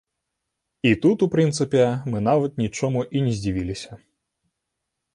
І тут, у прынцыпе, мы нават нічому і не здзівіліся.